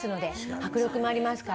迫力があります。